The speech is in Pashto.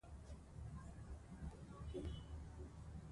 که نجونې په پروژو کې برخه واخلي، باور او همکاري زیاتېږي.